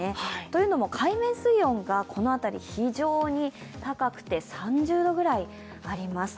というのも海面水温がこの辺り、非常に高くて３０度ぐらいあります。